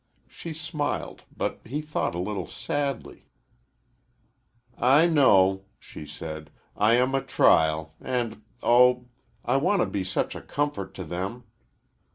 She smiled, but he thought a little sadly. "I know," she said, "I am a trial, and, oh, I want to be such a comfort to them!"